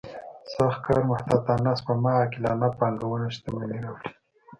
سخت کار محتاطانه سپما عاقلانه پانګونه شتمني راوړي.